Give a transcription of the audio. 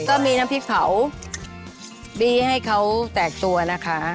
ก็มีน้ำพริกเผาบี้ให้เขาแตกตัวนะคะ